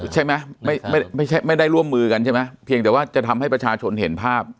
ใช่ไหมไม่ได้ร่วมมือกันใช่ไหมเพียงแต่ว่าจะทำให้ประชาชนเห็นภาพ